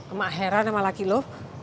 emak heran sama laki lo